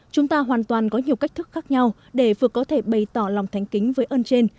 chúng ta hoàn toàn có nhiều cách thức khác nhau để vừa có thể bày tỏ lòng thánh kính với ơn trên